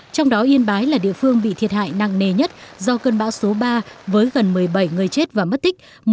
trong đó yên bái là địa phương bị thiệt hại nặng nề nhất do cơn bão số ba với gần một mươi bảy người chết và mất tích